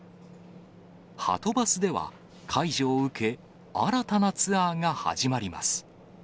はとバスでは、解除を受け、新たなツアーが始まります。